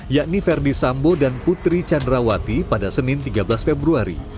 yakni verdi sambo dan putri candrawati pada senin tiga belas februari